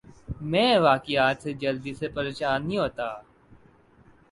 میں واقعات سے جلدی سے پریشان نہیں ہوتا